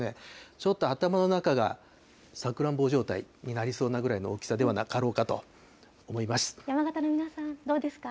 ちょっと頭の中が、さくらんぼ状態になりそうなぐらいの大きさではなかろうかと思います。